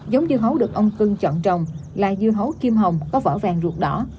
giống dưa hấu được ông cưng chọn trồng là dưa hấu kim hồng có vỏ vàng ruột đỏ